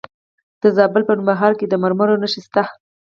د زابل په نوبهار کې د مرمرو نښې شته.